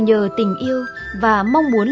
nhờ tình yêu và mong muốn